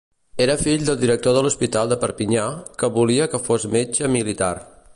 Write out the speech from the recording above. Era fill del director de l'hospital de Perpinyà, que volia que fos metge militar.